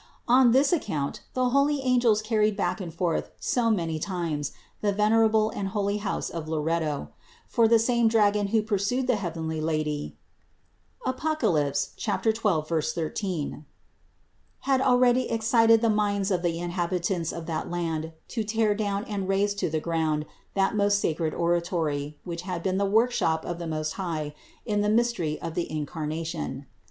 On this account the holy angels carried back and forth so many times the venerable and holy house of Loretto; 170 CITY OF GOD for the same dragon who pursued the heavenly Lady (Apoc. 12, 13), had already excited the minds of the inhabitants of that land to tear down and raze to the ground that most sacred oratory, which had been the workshop of the Most High in the mystery of the In carnation.